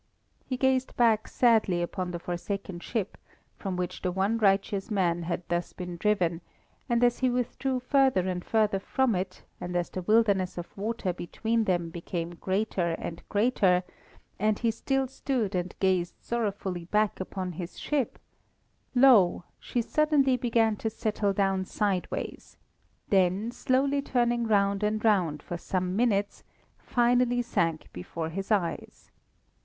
He gazed back sadly upon the forsaken ship from which the one righteous man had thus been driven, and as he withdrew further and further from it, and as the wilderness of water between them became greater and greater, and he still stood and gazed sorrowfully back upon his ship, lo! she suddenly began to settle down sideways, then, slowly turning round and round for some minutes, finally sank before his eyes.